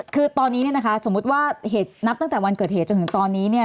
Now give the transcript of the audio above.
คือตอนนี้เนี่ยนะคะสมมุติว่าเหตุนับตั้งแต่วันเกิดเหตุจนถึงตอนนี้เนี่ย